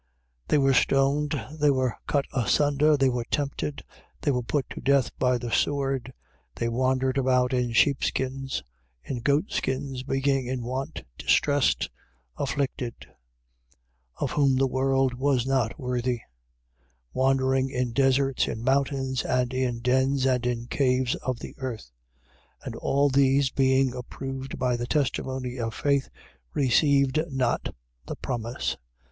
11:37. They were stoned, they were cut asunder, they were tempted, they were put to death by the sword, they wandered about in sheepskins, in goatskins, being in want, distressed, afflicted: 11:38. Of whom the world was not worthy: wandering in deserts, in mountains and in dens and in caves of the earth. 11:39. And all these, being approved by the testimony of faith, received not the promise: 11:40.